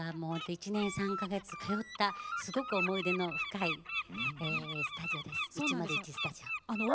１年３か月以上通った思い出深いスタジオです。